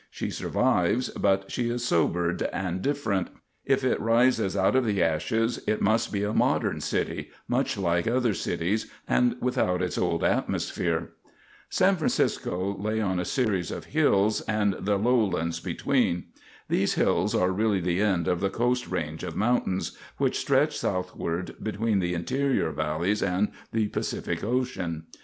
She survives, but she is sobered and different. If it rises out of the ashes it must be a modern city, much like other cities and without its old atmosphere. San Francisco lay on a series of hills and the lowlands between. These hills are really the end of the Coast Range of mountains, which stretch southward between the interior valleys and the Pacific Ocean.